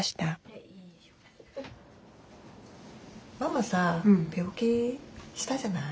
ママさ病気したじゃない？